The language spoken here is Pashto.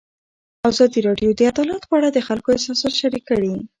ازادي راډیو د عدالت په اړه د خلکو احساسات شریک کړي.